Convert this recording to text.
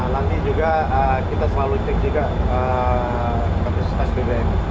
nanti juga kita selalu cek juga kapasitas bbm